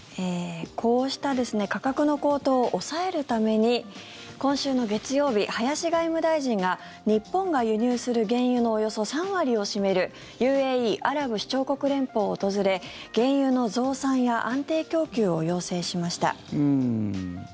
こうした価格の高騰を抑えるために今週の月曜日、林外務大臣が日本が輸入する原油のおよそ３割を占めるＵＡＥ・アラブ首長国連邦を訪れ原油の増産や安定供給を要請しました。